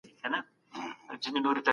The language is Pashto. دا ملي دودونه مو باید له منځه ولاړ نه سي.